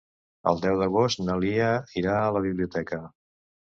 El deu d'agost na Lia irà a la biblioteca.